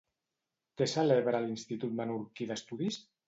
Què celebra l'Institut Menorquí d'Estudis?